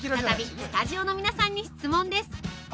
再びスタジオの皆さんに質問です。